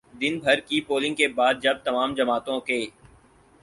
دن بھر کی پولنگ کے بعد جب تمام جماعتوں کے